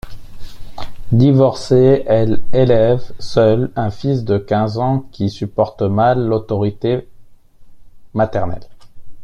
Divorcée, elle élève seule un fils de quinze ans qui supporte mal l’autorité maternelle.